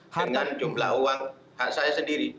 dengan jumlah uang hak saya sendiri